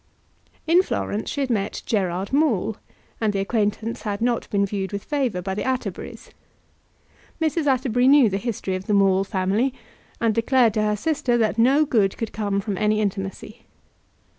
In Florence she had met Gerard Maule, and the acquaintance had not been viewed with favour by the Atterburys. Mrs. Atterbury knew the history of the Maule family, and declared to her sister that no good could come from any intimacy.